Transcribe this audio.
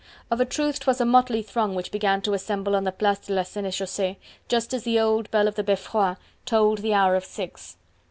Of a truth 'twas a motley throng which began to assemble on the Place de la Senechaussee, just as the old bell of the Beffroi tolled the hour of six.